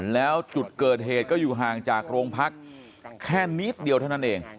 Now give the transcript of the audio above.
แล้วจุดเกิดเหตุก็อยู่ห่างจากโรงพักแค่นิดเดียวเท่านั้นเอง